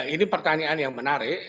ini pertanyaan yang menarik